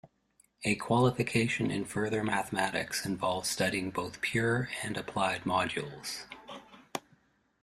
A qualification in Further Mathematics involves studying both pure and applied modules.